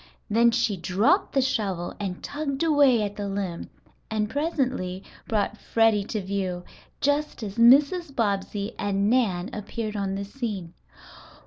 Then she dropped the shovel and tugged away at the limb and presently brought Freddie to view, just as Mrs. Bobbsey and Nan appeared on the scene.